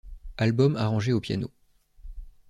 Album arrangé au piano.